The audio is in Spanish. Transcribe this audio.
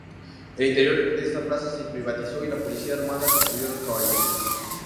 El interior de esta plaza se privatizó y la Policía Armada construyó dos caballerizas.